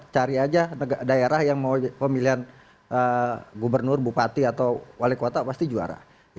cari aja daerah yang mau pemilihan gubernur bupati atau wali kota pasti juara